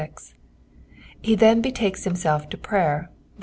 ife then betakes himself to prayer, 7—12.